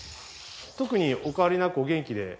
特にお変わりなくお元気で？